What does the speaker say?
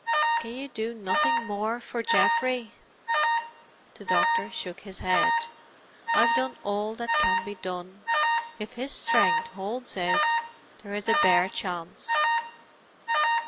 "Can you do nothing more for Geoffrey?" The doctor shook his head. "I've done all that can be done. If his strength holds out there is a bare chance."